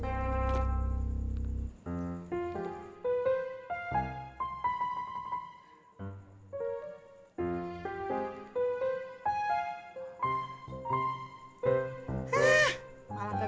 tunggu dulu kakak udah ngapain